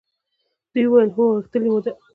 دوی وویل هو! غوښتلې مو ده.